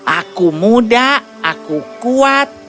aku muda aku kuat